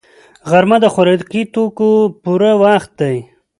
غرمه د خوراکي توکو پوره وخت دی